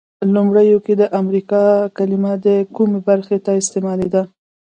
لومړیو کې د امریکا کلمه د کومې برخې ته استعمالیده؟